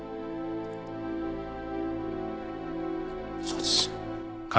そうです。